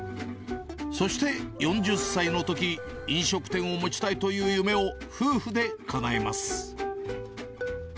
そして、４０歳のとき、飲食店を持ちたいという夢を夫婦でかなえます。